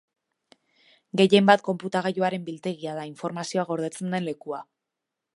Gehien bat konputagailuaren biltegia da, informazioa gordetzen den lekua.